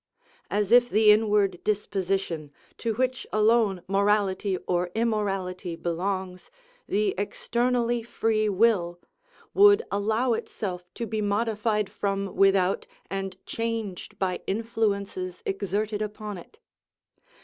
As if the inward disposition, to which alone morality or immorality belongs, the externally free will, would allow itself to be modified from without and changed by influences exerted upon it!